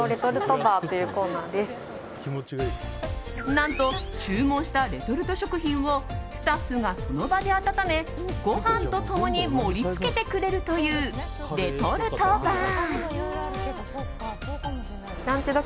何と、注文したレトルト食品をスタッフがその場で温めご飯と共に盛り付けてくれるというレトルトバー。